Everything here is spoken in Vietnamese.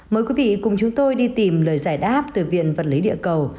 mời quý vị cùng chúng tôi đi tìm lời giải đáp từ viện vật lý địa cầu